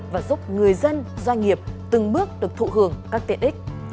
và giúp người dân doanh nghiệp từng bước được thụ hưởng các tiện ích